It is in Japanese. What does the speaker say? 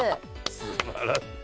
すばらしい。